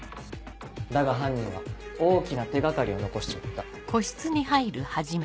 だが犯人は大きな手掛かりを残しちまった。